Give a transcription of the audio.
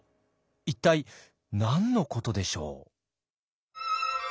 一体何のことでしょう？